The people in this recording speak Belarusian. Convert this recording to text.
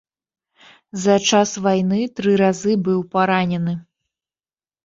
За час вайны тры разы быў паранены.